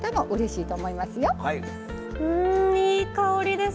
いい香りです。